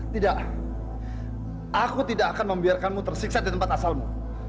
tidak aku tidak akan membiarkanmu tersiksa di tempat asalmu